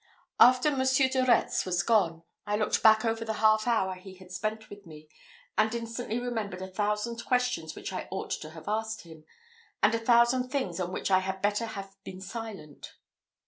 After Monsieur de Retz was gone, I looked back over the half hour he had spent with me, and instantly remembered a thousand questions which I ought to have asked him, and a thousand things on which I had better have been silent.